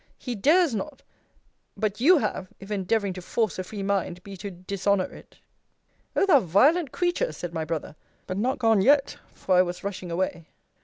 he dares not! But you have, if endeavouring to force a free mind be to dishonour it! O thou violent creature! said my brother but not gone yet for I was rushing away.